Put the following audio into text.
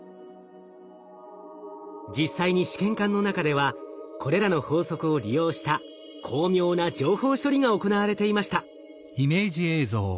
実際に試験管の中ではこれらの法則を利用した巧妙な情報処理が行われていました。